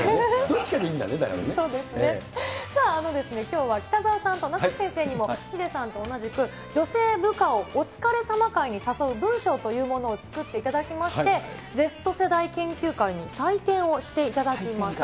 どっちさあ、きょうは北澤さんと名越先生にも、ヒデさんと同じく、女性部下を、お疲れさま会に誘う文章というものを作っていただきまして、Ｚ世代研究会に採点をしていただいています。